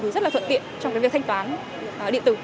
thì rất là thuận tiện trong cái việc thanh toán điện tử